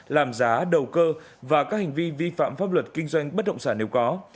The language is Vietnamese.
làm giá đầu cơ và các hành vi vi phạm pháp luật kinh doanh bất động sản nếu có